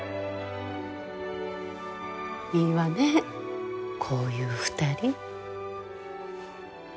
いいわねこういう２人。